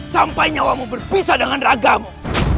sampai nyawamu berpisah dengan ragamu